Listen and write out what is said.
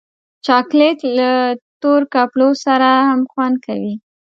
چاکلېټ له تور کپړو سره هم خوند کوي.